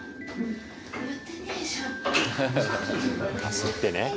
「吸って」ね。